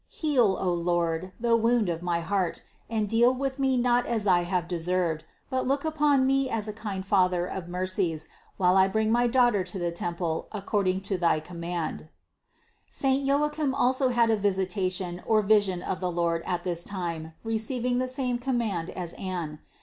Heal, O Lord, the wound of my heart, and deal with me not as I have deserved, but look upon me as a kind Father of mercies, while I bring my Daughter to the temple according to thy command." 409. Saint Joachim also had a visitation or vision of the Lord at this time, receiving the same command as Anne.